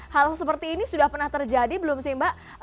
hal seperti ini sudah pernah terjadi belum sih mbak